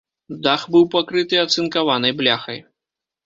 Дах быў пакрыты ацынкаванай бляхай.